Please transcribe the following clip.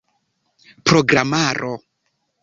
programaro